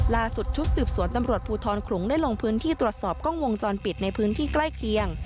ชุดสืบสวนตำรวจภูทรขลุงได้ลงพื้นที่ตรวจสอบกล้องวงจรปิดในพื้นที่ใกล้เคียง